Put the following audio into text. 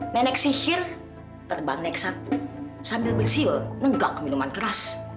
nenek sihir terbang naik satu sambil bersiul nenggak minuman keras